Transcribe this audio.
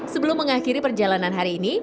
sebelum mengakhiri perjalanan hari ini